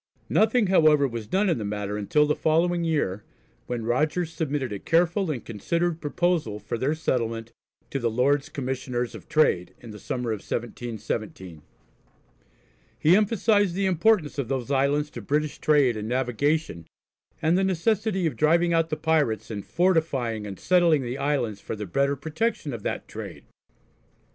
Nothing however was done in the matter until the following year, when Rogers submitted a careful and considered proposal for their settlement to the Lords Commissioners of Trade, in the summer of 1717. He emphasised the importance of those islands to British trade and navigation, and the necessity of driving out the pirates and fortifying and settling the islands for the better protection of that trade.